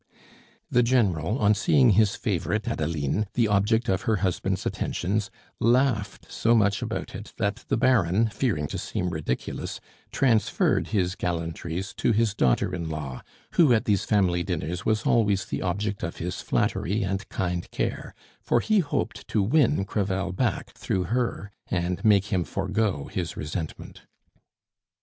The General, on seeing his favorite Adeline the object of her husband's attentions, laughed so much about it that the Baron, fearing to seem ridiculous, transferred his gallantries to his daughter in law, who at these family dinners was always the object of his flattery and kind care, for he hoped to win Crevel back through her, and make him forego his resentment.